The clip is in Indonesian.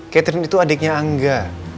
catherine itu adiknya angga